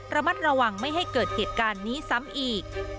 ระมัดระวังไม่ให้เกิดเหตุการณ์นี้ซ้ำอีก